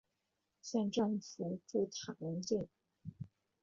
县政府驻塔荣镇。